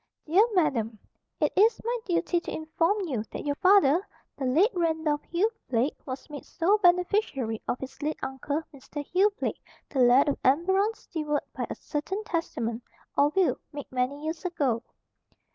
"Dear Madam: It is my duty to inform you that your father (the late Randolph Hugh Blake) was made sole beneficiary of his late uncle, Mr. Hugh Blake, the Laird of Emberon's steward, by a certain testament, or will, made many years ago.